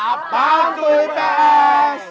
a bantu ips